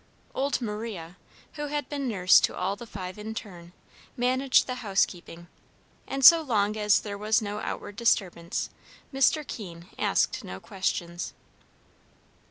Old Maria, who had been nurse to all the five in turn, managed the housekeeping; and so long as there was no outward disturbance, Mr. Keene asked no questions.